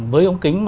với ống kính